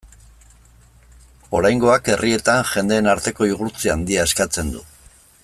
Oraingoak herrietan jendeen arteko igurtzi handia eskatzen du.